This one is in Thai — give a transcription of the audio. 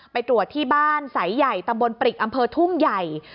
ไปตรวจที่บ้านสายใหญ่ตำบลปริกอำเภอทุ่งใหญ่